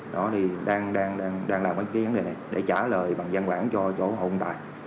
đó thì đang làm cái vấn đề này để trả lời bằng gian quản cho hộ công tài